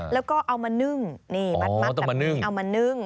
แล้วก็เอามานึ่งนี่มัดแบบนี้เอามานึ่ง